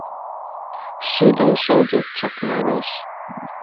Шыдын шеҥгек чакналеш.